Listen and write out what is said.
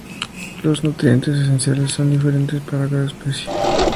Los nutrientes esenciales son diferentes para cada especie.